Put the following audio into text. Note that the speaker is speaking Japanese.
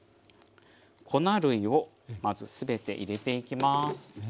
粉類をまず全て入れていきます。